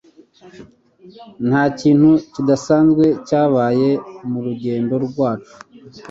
Ntakintu kidasanzwe cyabaye murugendo rwacu.